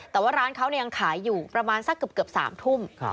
แต่ว่าร้านเขายังขายอยู่ประมาณสักเกือบ๓ทุ่ม